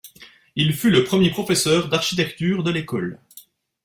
Il fut le premier professeur d'architecture de l'école.